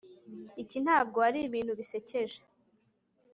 Iki ntabwo ari ibintu bisekeje